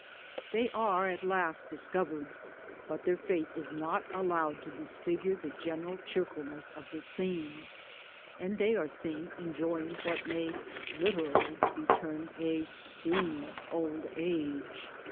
They are at last discovered, but their fate is not allowed to disfigure the general cheerfulness of the scene, and they are seen enjoying what may Utendly be tamed a green old ^ge.